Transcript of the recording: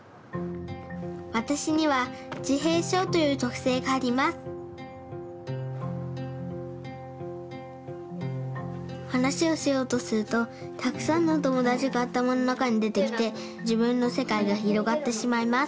わたしにはじへいしょうというとくせいがありますはなしをしようとするとたくさんのおともだちがあたまのなかにでてきてじぶんのせかいがひろがってしまいます